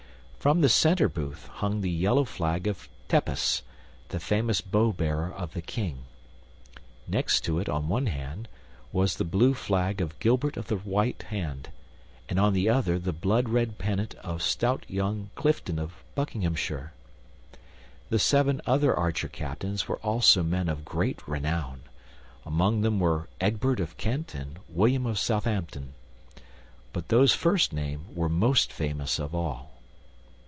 From the center booth hung the yellow flag of Tepus, the famous bow bearer of the King; next to it, on one hand, was the blue flag of Gilbert of the White Hand, and on the other the blood red pennant of stout young Clifton of Buckinghamshire. The seven other archer captains were also men of great renown; among them were Egbert of Kent and William of Southampton; but those first named were most famous of all.